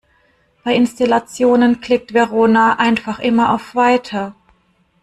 Bei Installationen klickt Verona einfach immer auf "Weiter".